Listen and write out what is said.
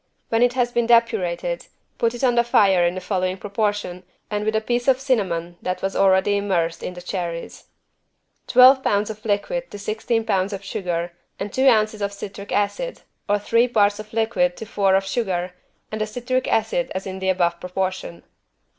When it has been depurated, put it on the fire in the following proportion and with the piece of cinnamon that was already immersed in the cherries: Twelve pounds of liquid to sixteen pounds of sugar and two ounces of citric acid, or three parts of liquid to four of sugar and the citric acid as in the above proportion.